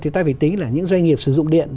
thì ta phải tính là những doanh nghiệp sử dụng điện